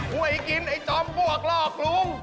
หวยกินไอ้จอมปวดลอกลุง